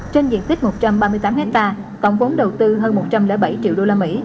trên diện tích một trăm ba mươi tám hectare cộng vốn đầu tư hơn một trăm linh bảy triệu usd